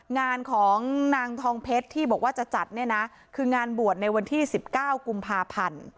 งานของนางทองเพชรที่บอกว่าจะจัดเนี่ยนะคืองานบวชในวันที่๑๙กุมภาพันธ์